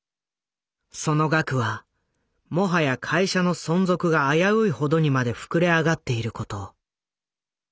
その額はもはや会社の存続が危ういほどにまで膨れ上がっていること。